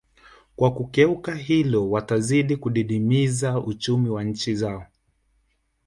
Kwa kukeuka hilo watazidi kudidimiza uchumi wa nchi zao